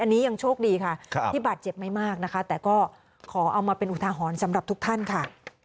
อันนี้ยังโชคดีค่ะที่บาดเจ็บไม่มากนะคะแต่ก็ขอเอามาเป็นอุทาหรณ์สำหรับทุกท่านค่ะ